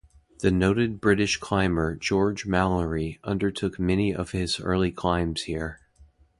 The noted British climber George Mallory undertook many of his early climbs here.